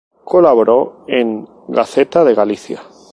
Colaboró en "Gaceta de Galicia.